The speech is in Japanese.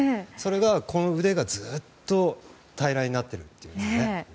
それが、この腕がずっと平らになっているんですよね。